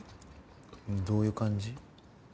どういう感じ？